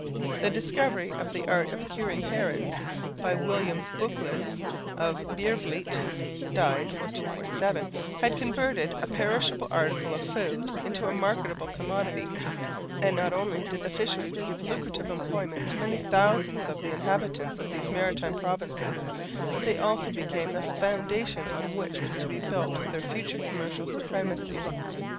The discovery of the art of curing herrings by William Beukelsz of Biervliet (died 1447) had converted a perishable article of food into a marketable commodity; and not only did the fisheries give lucrative employment to many thousands of the inhabitants of these maritime provinces, but they also became the foundation on which was to be built their future commercial supremacy.